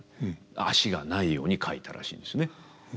足がないように描いたらしいんですね